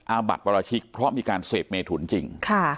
อาบัติปราชิกเพราะมีการเสพเมถุนจริง